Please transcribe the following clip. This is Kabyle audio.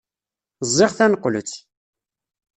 Ẓẓiɣ taneqlet.